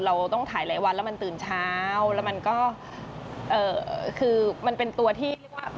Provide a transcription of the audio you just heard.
เราต้องถ่ายหลายวันแล้วมันตื่นเช้าแล้วมันก็คือมันเป็นตัวที่